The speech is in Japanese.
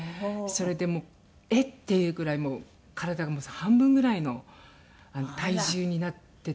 それでもう「えっ？」っていうぐらい体が半分ぐらいの体重になってて激細りして。